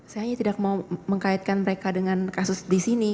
saya hanya tidak mau mengkaitkan mereka dengan kasus di sini